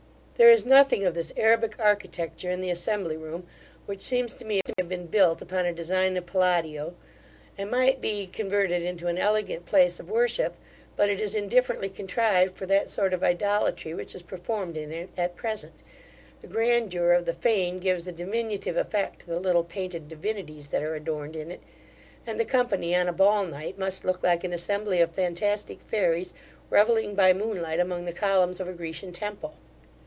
There is nothing of this Arabic architecture in the Assembly Room, which seems to me to have been built upon a design of Palladio, and might be converted into an elegant place of worship; but it is indifferently contrived for that sort of idolatry which is performed in it at present: the grandeur of the fane gives a diminutive effect to the little painted divinities that are adorned in it, and the company, on a ball night, must look like an assembly of fantastic fairies, revelling by moonlight among the columns of a Grecian temple.